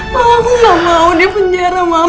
ma aku gak mau di penjara ma